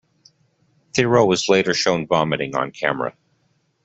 Theroux was later shown vomiting on camera.